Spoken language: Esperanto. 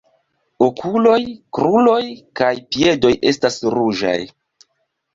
Okuloj, kruroj kaj piedoj estas ruĝaj.